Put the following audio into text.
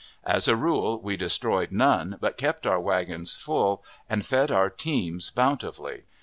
As a rule, we destroyed none, but kept our wagons full, and fed our teams bountifully.